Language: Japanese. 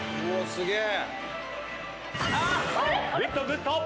すげえ！